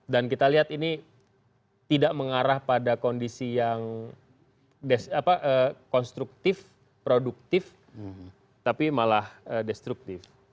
dan kita lihat ini tidak mengarah pada kondisi yang konstruktif produktif tapi malah destruktif